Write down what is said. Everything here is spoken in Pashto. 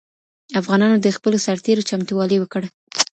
افغانانو د خپلو سرتېرو چمتووالی وکړ.